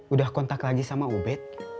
udah kontak lagi sama ubed